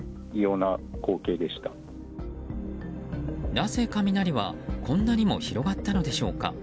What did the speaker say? なぜ雷はこんなにも広がったのでしょうか。